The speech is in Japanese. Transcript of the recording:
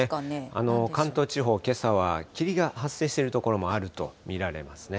関東地方、けさは霧が発生している所もあると見られますね。